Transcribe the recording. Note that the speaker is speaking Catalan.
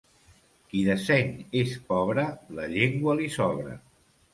Qui de seny és pobre, la llengua li sobra.